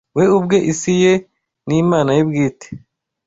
We ubwe isi ye, n'Imana ye bwite